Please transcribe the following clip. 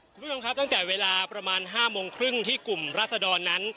คุณผู้ชมครับตั้งแต่เวลาประมาณ๕โมงครึ่งที่กลุ่มราศดรนั้น